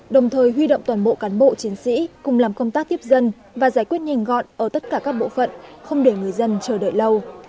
đồng thời huy động toàn bộ cán bộ chiến sĩ cùng làm công tác tiếp dân và giải quyết nhanh gọn ở tất cả các bộ phận không để người dân chờ đợi lâu